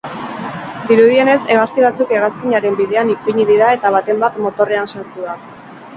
Dirudienez hegazti batzuk hegazkinaren bidean ipini dira eta baten bat motorrean sartu da.